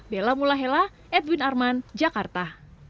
bella mulahela edwin arman jakarta